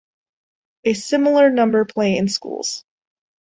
A similar number play in schools.